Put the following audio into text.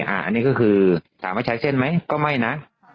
อันนี้ก็คือถามว่าใช้เส้นไหมก็ไม่นะ